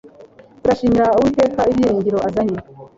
turashimira uwiteka ibyiringiro azanye